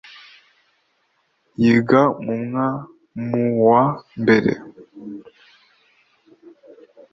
yiga mwa mu wa mbere